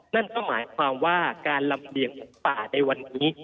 นั่นก็หมายความว่าการลำเลียงหมูป่าในวันนี้